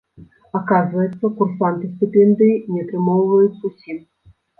Аказваецца, курсанты стыпендыі не атрымоўваюць зусім.